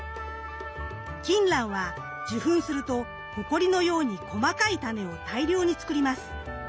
キンランは受粉するとほこりのように細かい種を大量に作ります。